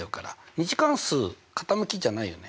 ２次関数傾きじゃないよね。